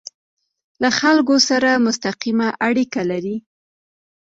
له خلکو سره مستقیمه اړیکه لري.